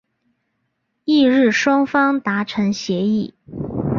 翌日双方达成协议。